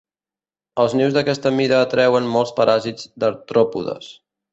Els nius d'aquesta mida atreuen molts paràsits d'artròpodes.